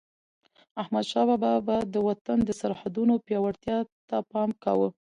احمدشاه بابا به د وطن د سرحدونو پیاوړتیا ته پام کاوه.